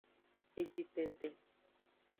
Eji tenten.